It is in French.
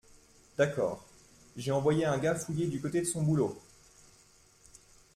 D’accord. J’ai envoyé un gars fouiller du côté de son boulot.